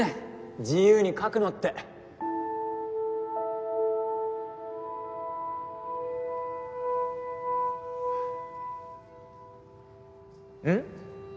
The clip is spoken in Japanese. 自由に描くのってん？